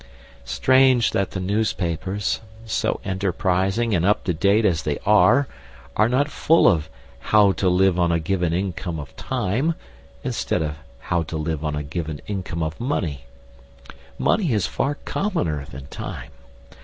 Strange that the newspapers, so enterprising and up to date as they are, are not full of "How to live on a given income of time," instead of "How to live on a given income of money"! Money is far commoner than time.